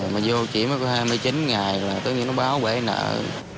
mà vô chỉ mới có hai mươi chín ngày là tất nhiên nó báo bệ nợ